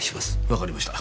わかりました。